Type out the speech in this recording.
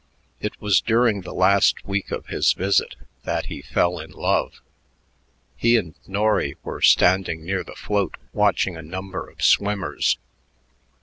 It was during the last week of his visit that he fell in love. He and Norry were standing near the float watching a number of swimmers.